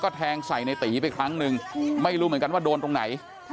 แทงใส่ในตีไปครั้งหนึ่งไม่รู้เหมือนกันว่าโดนตรงไหน